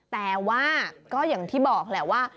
แต่ว่าก็อย่างที่บอกแหละว่า